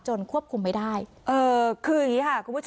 ควบคุมไม่ได้เออคืออย่างนี้ค่ะคุณผู้ชม